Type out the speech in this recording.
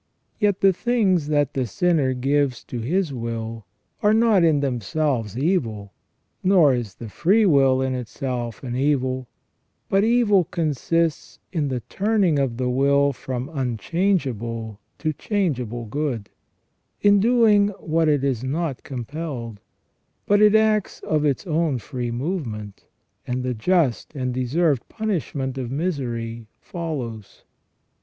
Yet the things that the sinner gives to his will are not in themselves evil, nor is the free will in itself an evil ; but evil consists in the turning of the will from unchangeable to change able good, in doing which it is not compelled ; but it acts of its own free movement, and the just and deserved punishment of misery follows."